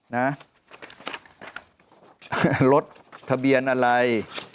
นะรถทะเบียนอะไร